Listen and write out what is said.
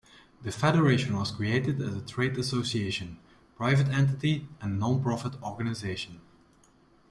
The Federation was created as a trade association, private entity and non-profit organization.